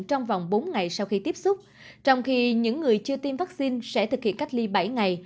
trong vòng bốn ngày sau khi tiếp xúc trong khi những người chưa tiêm vaccine sẽ thực hiện cách ly bảy ngày